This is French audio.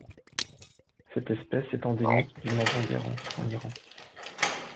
Cette espèce est endémique du Mazandéran en Iran.